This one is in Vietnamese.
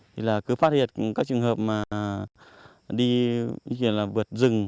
thì là cứ phát hiện các trường hợp mà đi là vượt rừng